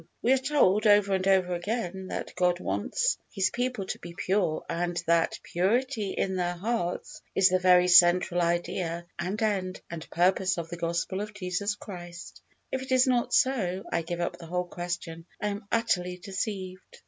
We are told, over and over again, that God wants His people to be pure, and THAT PURITY IN THEIR HEARTS IS THE VERY CENTRAL IDEA AND END AND PURPOSE OF THE GOSPEL OF JESUS CHRIST; if it is not so, I give up the whole question I am utterly deceived.